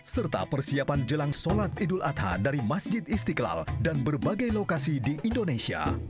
serta persiapan jelang sholat idul adha dari masjid istiqlal dan berbagai lokasi di indonesia